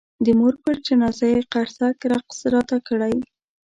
د مور پر جنازه یې قرصک رقص راته کړی.